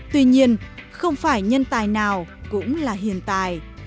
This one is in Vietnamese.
tuy nhiên không phải nhân tài nào cũng là hiền tài